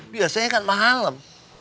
biasanya kan malem